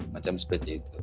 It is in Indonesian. macam seperti itu